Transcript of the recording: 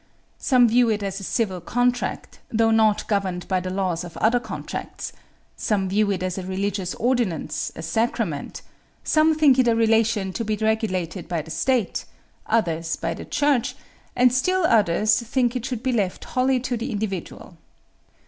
Some view it as a civil contract, though not governed by the laws of other contracts; some view it as a religious ordinance a sacrament; some think it a relation to be regulated by the State, others by the Church, and still others think it should be left wholly to the individual.